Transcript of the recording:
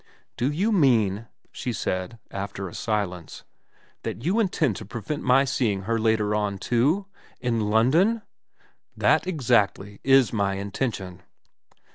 ' Do you mean,' she said, after a silence, ' that you intend to prevent my seeing her later on too ? In London ?'' That, exactly, is my intention.'